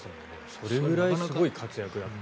それぐらいすごい活躍だと。